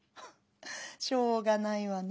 しょうがないわね。